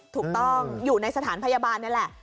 ถูกต้องอยู่ในสถานพยาบาลนี่แหละ